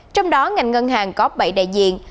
trong đó ngành ngân hàng có bảy đại diện